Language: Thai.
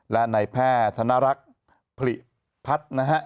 และในแพทย์ธนรักษ์ผลิพัฒน์นะฮะ